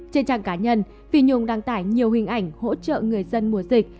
trên trang cá nhân vi nhung đăng tải nhiều hình ảnh hỗ trợ người dân mùa dịch